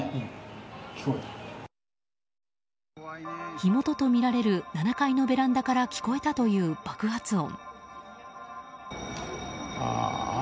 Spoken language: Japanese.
火元とみられる７階のベランダから聞こえたという爆発音。